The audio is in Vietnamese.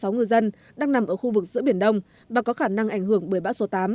tám mươi sáu người dân đang nằm ở khu vực giữa biển đông và có khả năng ảnh hưởng bởi bã số tám